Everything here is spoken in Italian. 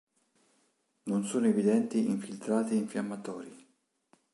Non sono evidenti infiltrati infiammatori.